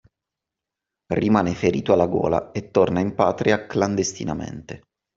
Rimane ferito alla gola e torna in patria clandestinamente.